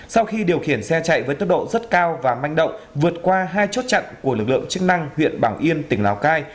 sau khi điều khiển xe chạy với tốc độ rất cao và manh động vượt qua hai chốt chặn của lực lượng chức năng huyện bảo yên tỉnh lào cai